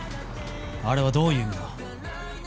あれはどういう意味だ？